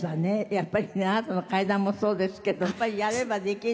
やっぱりねあなたの階段もそうですけどやっぱりやればできる。